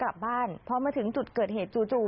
ชอบบ้านเร็วแล้วมาถึงจุดเกิดเห็นจู่